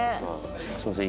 すいません。